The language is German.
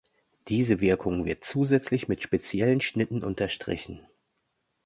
Diese Wirkung wird zusätzlich mit speziellen Schnitten unterstrichen.